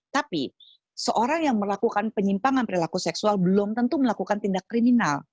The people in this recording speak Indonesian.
tapi seorang yang melakukan penyimpangan perilaku seksual belum tentu melakukan tindak kriminal